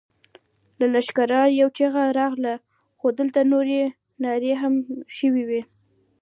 له لښکره يوه چيغه راغله! خو دلته نورې نارواوې هم شوې دي.